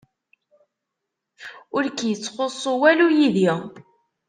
Ur k-ittxuṣṣu walu yid-i.